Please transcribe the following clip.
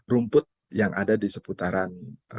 rumput yang ada di seputaran